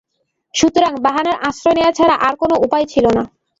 সুতরাং বাহানার আশ্রয় নেয়া ছাড়া আর কোন উপায় ছিল না।